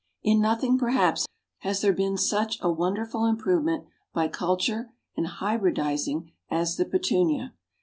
In nothing, perhaps, has there been such a wonderful improvement by culture and hybridising as the Petunia.